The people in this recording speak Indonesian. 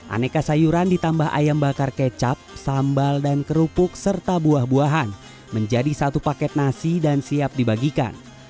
aneka sayuran ditambah ayam bakar kecap sambal dan kerupuk serta buah buahan menjadi satu paket nasi dan siap dibagikan